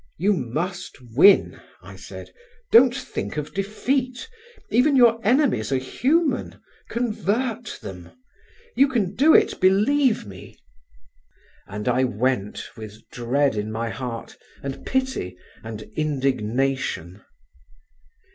"You must win," I said; "don't think of defeat. Even your enemies are human. Convert them. You can do it, believe me," and I went with dread in my heart, and pity and indignation.